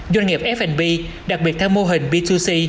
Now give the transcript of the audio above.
doanh nghiệp f b đặc biệt theo mô hình b hai c